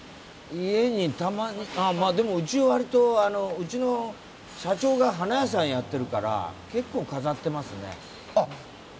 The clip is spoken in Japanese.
家にたまにでもうちは割と、うちの社長が花屋さんやってるから結構飾ってますね。